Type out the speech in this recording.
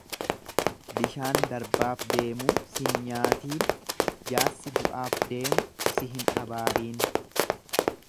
Bishaan darbaaf deemuu sinyaatiin, jaarsi du'aaf deemu si hin abaariin.